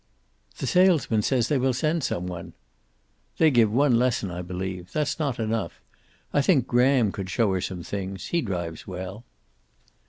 "The salesman says they will send some one." "They give one lesson, I believe. That's not enough. I think Graham could show her some things. He drives well."